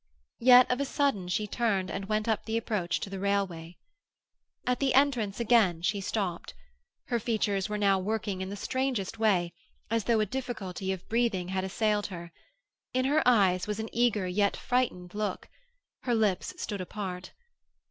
Yet of a sudden she turned and went up the approach to the railway. At the entrance again she stopped. Her features were now working in the strangest way, as though a difficulty of breathing had assailed her. In her eyes was an eager yet frightened look; her lips stood apart.